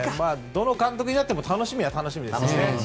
どの監督になっても楽しみは楽しみですよね。